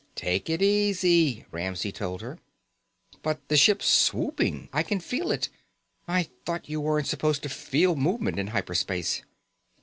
"Take it easy," Ramsey told her. "But the ship's swooping. I can feel it. I thought you weren't supposed to feel movement in hyper space!"